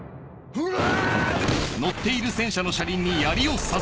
うわ！